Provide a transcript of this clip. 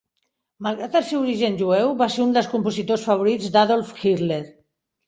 Malgrat el seu origen jueu, va ser un dels compositors favorits d'Adolf Hitler.